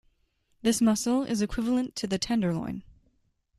This muscle is equivalent to the tenderloin.